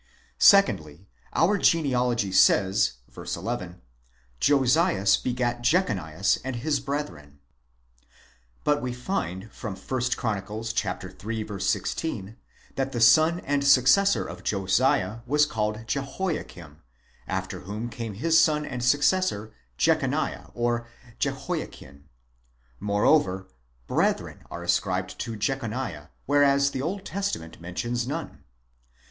Secondly: our genealogy says v. 11, /Josias begat Jechonias and his brethren. But we find from 1 Chron. iii. 16, that the son and successor of Josiah was called Jehoiakim, after whom came his son and successor Jechoniah or Jehoiachin. Moreover Jdrethren are ascribed to Jechoniah, whereas the Old Testament mentions none.